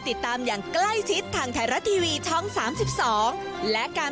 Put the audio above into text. ติดตามอย่างใกล้ชิดทางไทยรัฐทีวีช่อง๓๒และการ